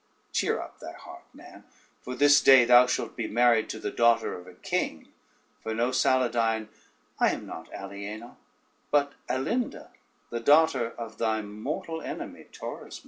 Cheer up thy heart, man; for this day thou shalt be married to the daughter of a king; for know, Saladyne, I am not Aliena, but Alinda, the daughter of thy mortal enemy Torismond."